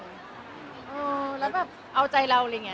เออแล้วแบบเอาใจเราอะไรอย่างนี้